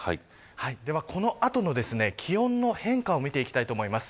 ではこの後の気温の変化を見ていきます。